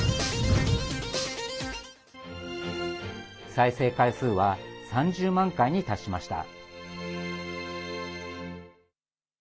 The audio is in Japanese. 再生回数は３０万回に達しました。